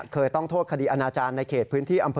เคยต้องโทษคดีอาณาจารย์ในเขตพื้นที่อำเภอ